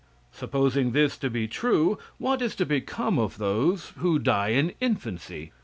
Supposing this to be true, what is to become of those who die in infancy?